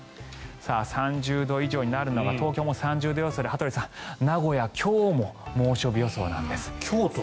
３０度以上になるのは東京も３０度予想で羽鳥さん、名古屋は今日も真夏日予想なんです。